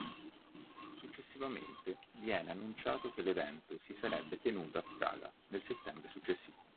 Successivamente viene annunciato che l'evento si sarebbe tenuto a Praga nel settembre successivo.